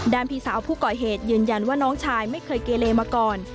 พี่สาวผู้ก่อเหตุยืนยันว่าน้องชายไม่เคยเกเลมาก่อน